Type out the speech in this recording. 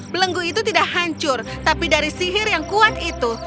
belenggu itu tidak hancur tapi dari sihir yang kuat itu